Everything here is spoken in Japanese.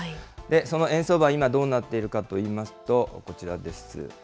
その円相場は今、どうなっているかといいますと、こちらです。